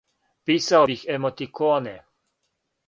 Писао бих емотиконе!